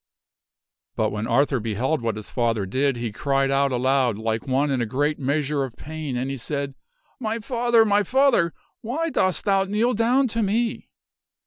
But when Arthur beheld what his father did, he cried out aloud like one in a great measure of pain; and he said, My father! my father! why dost thou kneel down to me?"